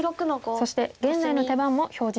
そして現在の手番も表示しております。